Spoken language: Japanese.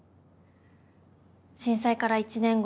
震災から１年後。